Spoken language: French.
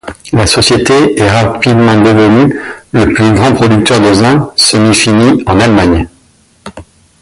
La société est rapidement devenu le plus grand producteur de zinc semi-fini en Allemagne.